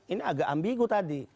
ini agak ambigu tadi